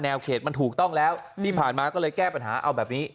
เขตมันถูกต้องแล้วที่ผ่านมาก็เลยแก้ปัญหาเอาแบบนี้